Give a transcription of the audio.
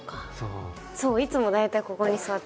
いつも大体ここに座って。